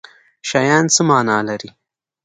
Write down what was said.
شیان څه معنی لري